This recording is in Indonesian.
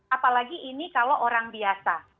apalagi ini kalau orang biasa